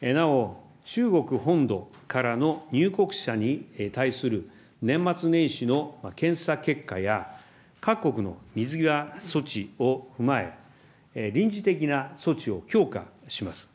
なお、中国本土からの入国者に対する年末年始の検査結果や、各国の水際措置を踏まえ、臨時的な措置を強化します。